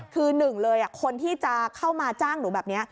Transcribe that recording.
คือหนึ่งเลยคนที่จะเข้ามาจ้างหนูแบบนี้